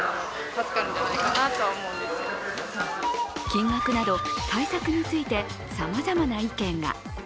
金額など、対策についてさまざまな意見が。